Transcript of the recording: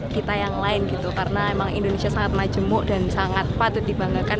kita yang lain gitu karena emang indonesia sangat majemuk dan sangat patut dibanggakan